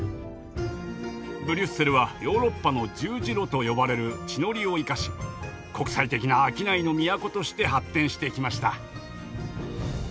ブリュッセルはヨーロッパの十字路と呼ばれる地の利を生かし国際的な商いの都として発展してきました。